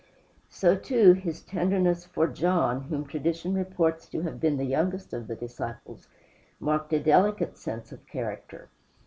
So, too, his tenderness for John, whom tradition reports to have been the youngest of the disciples, marked a delicate sense of character.